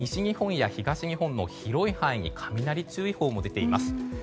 そして、西日本や東日本の広い範囲に雷注意報も出ています。